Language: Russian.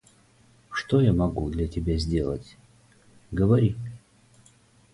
– Что я могу для тебя сделать? Говори.